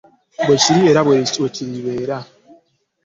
Bwe kiri era bwekilibeera.